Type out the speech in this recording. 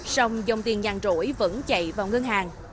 sông dòng tiền nhàn rỗi vẫn chạy vào ngân hàng